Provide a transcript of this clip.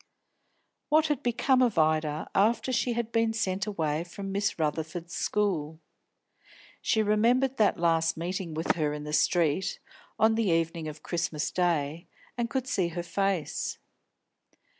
What had become of Ida, after she had been sent away from Miss Rutherford's school? She remembered that last meeting with her in the street, on the evening of Christmas Day, and could see her face.